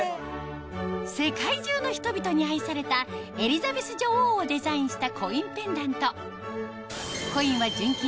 世界中の人々に愛されたエリザベス女王をデザインしたコインペンダントコインは純金